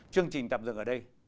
chương trình tạm dừng ở đây